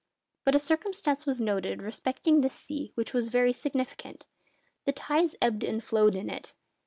But a circumstance was noticed respecting this sea which was very significant. The tides ebbed and flowed in it.